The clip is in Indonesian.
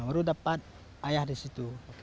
baru dapat ayah di situ